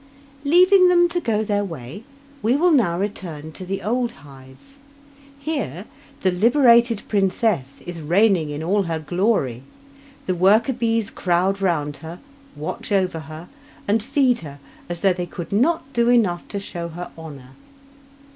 Leaving them to go their way, we will now return to the old hive. Here the liberated princess is reigning in all her glory; the worker bees crowd round her, watch over her, and feed her as though they could not do enough to show her honour.